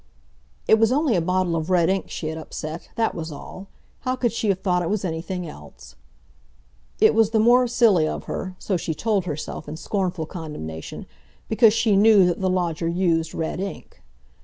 It was only a bottle of red ink she had upset—that was all! How could she have thought it was anything else? It was the more silly of her—so she told herself in scornful condemnation—because she knew that the lodger used red ink.